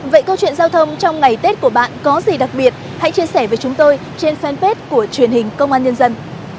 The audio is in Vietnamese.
vậy câu chuyện giao thông trong ngày tết của bạn có gì đặc biệt hãy chia sẻ với chúng tôi trên fanpage của truyền hình công an nhân dân